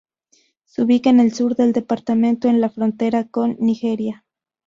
Se ubica en el sur del departamento, en la frontera con Nigeria.